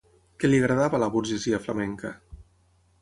Què li agradava a la burgesia flamenca?